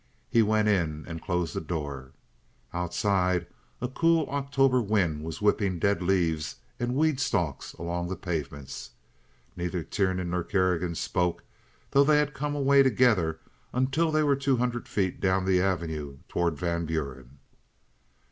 He went in and closed the door. Outside a cool October wind was whipping dead leaves and weed stalks along the pavements. Neither Tiernan nor Kerrigan spoke, though they had come away together, until they were two hundred feet down the avenue toward Van Buren.